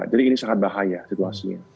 jadi ini sangat bahaya situasinya